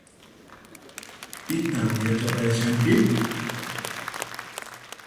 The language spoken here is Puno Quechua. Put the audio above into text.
Pitan yachapayashanki?